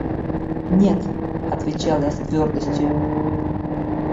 – Нет, – отвечал я с твердостию.